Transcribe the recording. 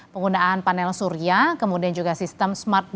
penggunaan panel surya kemudian juga sistem smartp